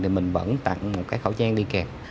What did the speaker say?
thì mình vẫn tặng một cái khẩu trang đi kèm